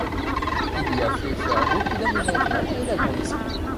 Il y a fait faire beaucoup d'aménagements et d'agrandissements.